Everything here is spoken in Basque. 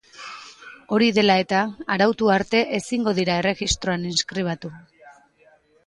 Hori dela eta, arautu arte ezingo dira erregistroan inskribatu.